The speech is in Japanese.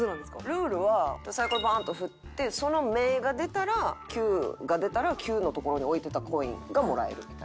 ルールはサイコロバンッと振ってその目が出たら「９」が出たら「９」の所に置いてたコインがもらえるみたいな。